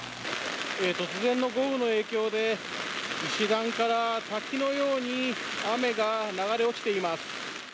突然の豪雨の影響で、石段から滝のように雨が流れ落ちています。